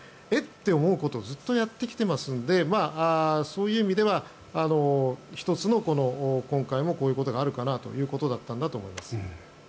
て思うことをずっとやってきていますのでそういう意味では１つの、今回もこういうことがあるかなということだったのかなと思います。